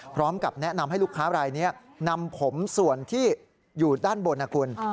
พร้อมกับแนะนำให้ลูกค้ารายนี้นำผมส่วนที่อยู่ด้านบนนะคุณ